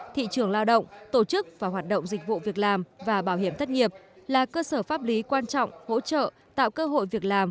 thị trường lao động tổ chức và hoạt động dịch vụ việc làm và bảo hiểm thất nghiệp là cơ sở pháp lý quan trọng hỗ trợ tạo cơ hội việc làm